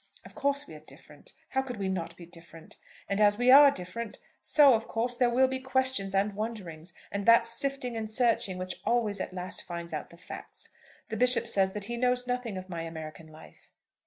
Of course we are different. How could we not be different? And as we are different, so of course there will be questions and wonderings, and that sifting and searching which always at last finds out the facts. The Bishop says that he knows nothing of my American life."